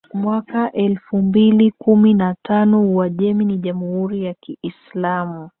mwaka elfu mbili kumi na tano Uajemi ni Jamhuri ya Kiislamu